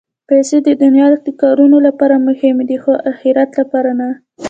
پېسې د دنیا د کارونو لپاره مهمې دي، خو د اخرت لپاره نه.